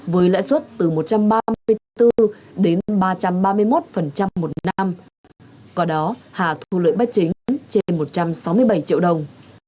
với lãi suất từ một trăm ba mươi bốn đến ba trăm ba mươi một một năm qua đó hà thu lợi bất chính trên một trăm sáu mươi bảy triệu đồng